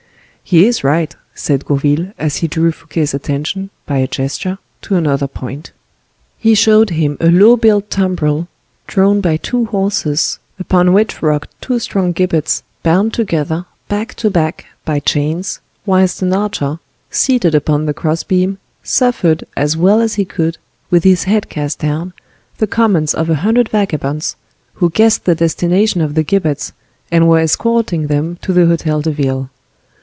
"He is right," said Gourville, as he drew Fouquet's attention, by a gesture, to another point. He showed him a low built tumbrel, drawn by two horses, upon which rocked two strong gibbets, bound together, back to back, by chains, whilst an archer, seated upon the cross beam, suffered, as well as he could, with his head cast down, the comments of a hundred vagabonds, who guessed the destination of the gibbets, and were escorting them to the Hotel de Ville.